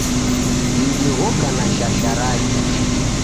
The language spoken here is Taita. Mdi ghoka na shasha rake.